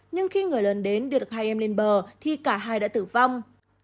nhưng khi người lần đến đưa được hai em lên bờ thì cả hai đã tử vong